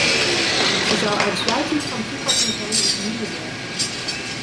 Ze zou uitsluitend van toepassing zijn op nieuwe werken.